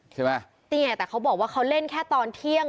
แต่เขาบอกว่าเขาเล่นเข้าตอนเที่ยง